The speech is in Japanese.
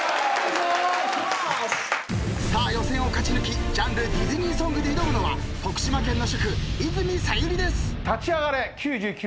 さあ予選を勝ち抜きジャンル「ディズニーソング」で挑むのは徳島県の主婦泉小百合です。